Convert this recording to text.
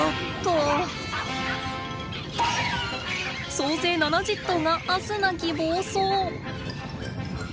総勢７０頭が明日なき暴走。